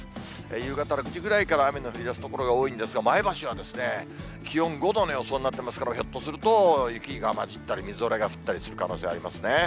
夕方６時ぐらいから雨の降りだす所が多いんですが、前橋は気温５度の予想になってますから、ひょっとすると雪が交じったり、みぞれが降ったりする可能性ありますね。